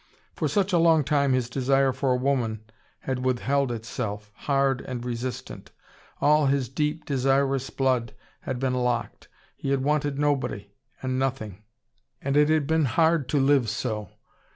For such a long time his desire for woman had withheld itself, hard and resistant. All his deep, desirous blood had been locked, he had wanted nobody, and nothing. And it had been hard to live, so.